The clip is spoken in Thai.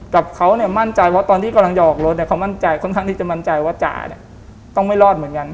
กับเขาเนี่ยมั่นใจว่าตอนที่กำลังจะออกรถเนี่ยเขามั่นใจค่อนข้างที่จะมั่นใจว่าจ่าเนี่ยต้องไม่รอดเหมือนกัน